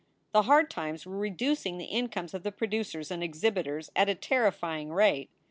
The hard times were reducing the in comes of the producers and exhibitors at a terrifying rate.